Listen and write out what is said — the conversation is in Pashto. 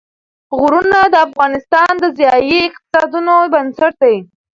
غرونه د افغانستان د ځایي اقتصادونو بنسټ دی.